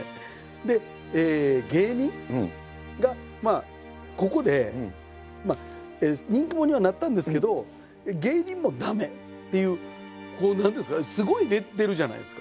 で芸人がまあここで人気者にはなったんですけど芸人も駄目っていう何ですかすごいレッテルじゃないですか。